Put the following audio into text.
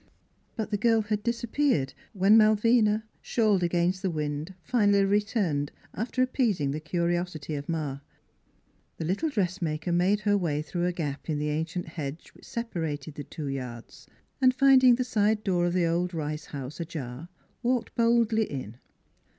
But the girl had disappeared when Malvina, shawled against the wind, finally returned after appeasing the curiosity of Ma. The little dress NEIGHBORS 45 maker made her way through a gap in the ancient hedge which separated the two yards, and finding the side door of the old Rice house ajar, walked boldly in.